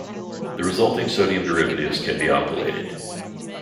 The resulting sodium derivatives can be alkylated.